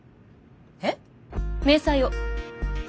えっ？明細を。